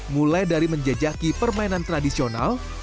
mulai dari menjejaki permainan tradisional